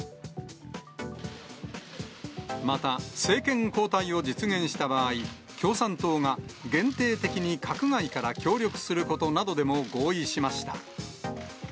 また、政権交代を実現した場合、共産党が限定的に閣外から協力することなどでも合意しました。